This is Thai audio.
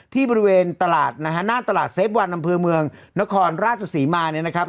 ที่บริเวณตลาดนะฮะหน้าตลาดเซฟวันอำเภอเมืองนครราชศรีมาเนี่ยนะครับ